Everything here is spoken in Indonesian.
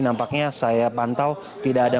nampaknya saya pantau tidak ada